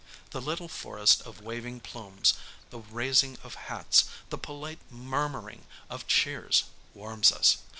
The little forest of waving plumes, the raising of hats, the polite murmuring of cheers, warms us.